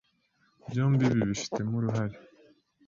Byombi bibifitemo uruhare,